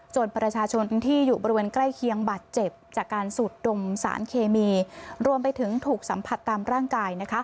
ประชาชนที่อยู่บริเวณใกล้เคียงบาดเจ็บจากการสูดดมสารเคมีรวมไปถึงถูกสัมผัสตามร่างกายนะคะ